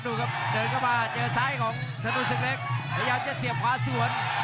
ดูครับเดินเข้ามาเจอซ้ายของถนนศึกเล็กพยายามจะเสียบขวาสวน